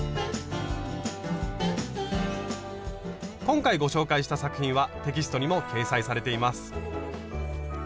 今回ご紹介した作品はテキストにも掲載されています。